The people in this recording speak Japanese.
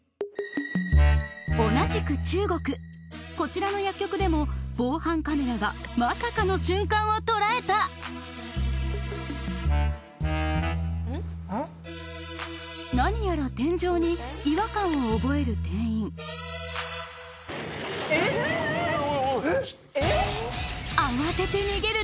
同じく中国こちらの薬局でも防犯カメラがまさかの瞬間を捉えた何やら天井に違和感を覚える店員慌てて逃げる